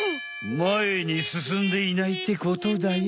まえにすすんでいないってことだよ。